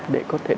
để có thể